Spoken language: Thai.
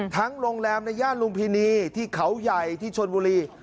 โรงแรมในย่านลุมพินีที่เขาใหญ่ที่ชนบุรี